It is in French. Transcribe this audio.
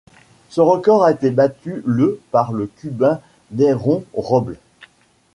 Ce record a été battu le par le cubain Dayron Robles.